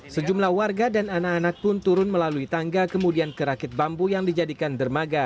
sejumlah warga dan anak anak pun turun melalui tangga kemudian kerakit bambu yang dijadikan dermaga